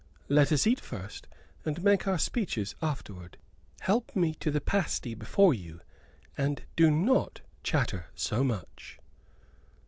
"Let us eat first, and make our speeches afterward. Help me to the pasty before you, and do not chatter so much."